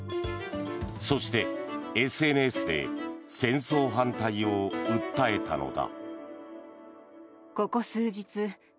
そしてＳＮＳで戦争反対を訴えたのだ。